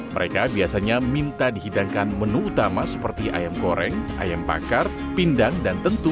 mereka biasanya minta dihidangkan menu utama seperti ayam goreng ayam bakar pindang dan tentu